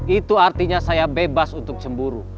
itu artinya saya bebas untuk cemburu